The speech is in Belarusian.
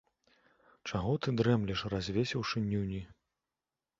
Чаго ты дрэмлеш, развесіўшы нюні.